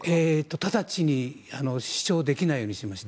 直ちに視聴できないようにしました。